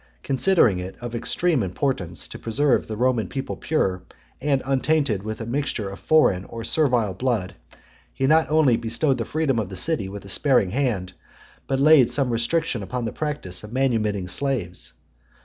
Considering it of extreme importance to preserve the Roman people pure, and untainted with a mixture of foreign or servile blood, he not only bestowed the freedom of the city with a sparing hand, but laid some restriction upon the practice of manumitting slaves.